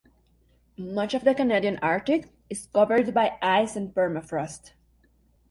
Much of the Canadian Arctic is covered by ice and permafrost.